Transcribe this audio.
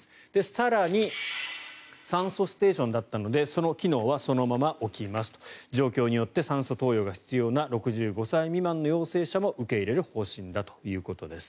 更に酸素ステーションだったのでその機能はそのまま置きます状況によって酸素投与が必要な６５歳未満の陽性者も受け入れる方針だということです。